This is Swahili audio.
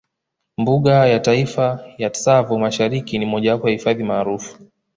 Mbuga ya Kitaifa ya Tsavo Mashariki ni mojawapo hifadhi maarufu